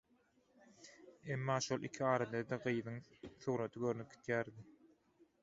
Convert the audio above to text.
emma şol iki arada-da gyzyň suraty görnüp gidýärdi.